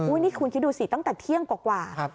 นี่คุณคิดดูสิตั้งแต่เที่ยงกว่า